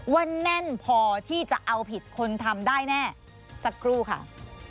แน่นพอที่จะเอาผิดคนทำได้แน่สักครู่ค่ะ